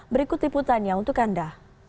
berikut tipu tanya untuk anda